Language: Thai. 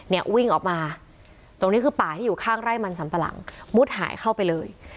เนี่ยวิ่งออกมาตรงนี้คือป่าที่อยู่ข้างไร่มันสัมปะหลังมุดหายเข้าไปเลย